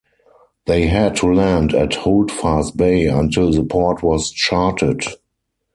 They had to land at Holdfast Bay until the port was charted.